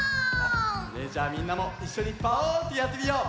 それじゃあみんなもいっしょにパオーンってやってみよう。